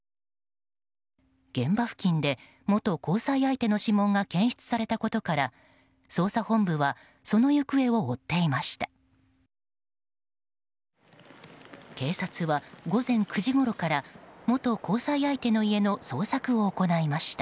現場付近で元交際相手の指紋が検出されたことから、捜査本部はその行方を追っていました。